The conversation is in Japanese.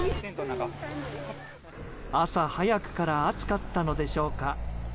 朝早くから暑かったのでしょうか。